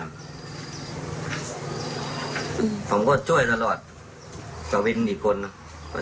ผมก็ช่วยตลอดกากวิญกรีบนอีกคนนะ